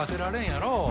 やろ